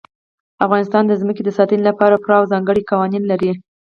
افغانستان د ځمکه د ساتنې لپاره پوره او ځانګړي قوانین لري.